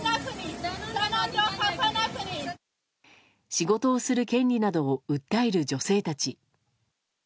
仕事をする権利などを訴える女性たち。